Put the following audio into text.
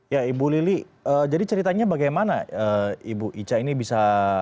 ya ibu lili jadi ceritanya bagaimana ibu ica ini bisa